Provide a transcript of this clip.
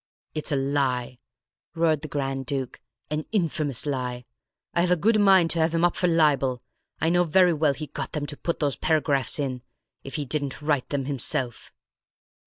"It's a lie!" roared the Grand Duke. "An infamous lie! I've a good mind to have him up for libel. I know very well he got them to put those paragraphs in, if he didn't write them himself."